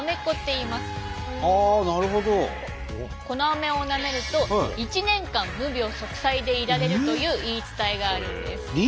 このアメをなめると一年間無病息災でいられるという言い伝えがあるんです。